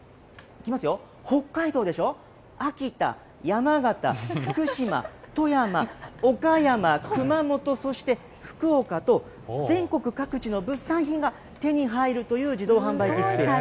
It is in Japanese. いきますよ、北海道でしょ、秋田、山形、福島、富山、岡山、熊本、そして福岡と、全国各地の物産品が手に入るという自動販売機スペース。